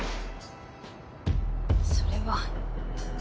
それは。